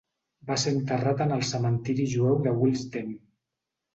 Va ser enterrat en el cementiri jueu de Willesden.